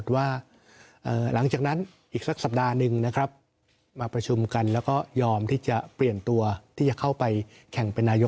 ว่าสมมติว่า